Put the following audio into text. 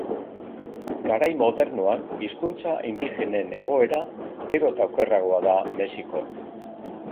Garai modernoan, hizkuntza indigenen egoera gero eta okerragoa da Mexikon.